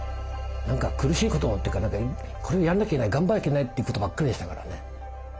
何か苦しいことというかこれをやんなきゃいけない頑張らなきゃいけないということばっかりでしたからね。